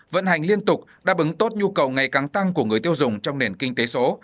vận hành liên tục đáp ứng tốt nhu cầu ngày càng tăng của người tiêu dùng trong nền kinh tế số